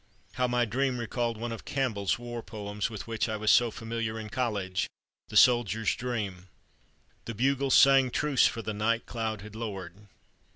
How my dream recalled one of Campbell's war poems with which I was so familiar in college, "The Soldier's Dream": "The bugles sang truce, for the night cloud had lowered."